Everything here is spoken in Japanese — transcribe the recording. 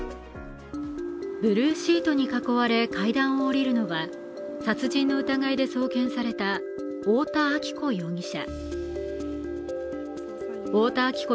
ブルーシートに囲われ階段を降りるのは殺人の疑いで送検された太田亜紀子容疑者。